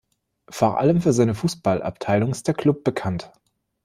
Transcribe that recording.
Vor allem für seine Fußballabteilung ist der Klub bekannt.